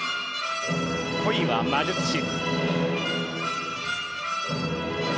「恋は魔術師」。